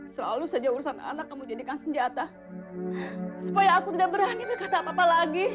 selalu saja urusan anak kamu jadikan senjata supaya aku tidak berani berkata apa apa lagi